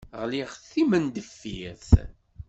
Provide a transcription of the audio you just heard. Ɣliɣ d timendeffirt.